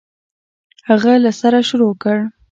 هغه له سره شروع کړ.